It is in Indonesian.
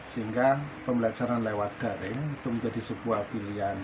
sehingga pembelajaran lewat daring itu menjadi sebuah pilihan